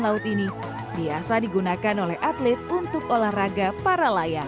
laut ini biasa digunakan oleh atlet untuk olahraga para layang